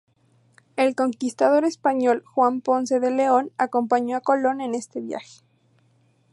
El conquistador español Juan Ponce de León acompañó a Colón en este viaje.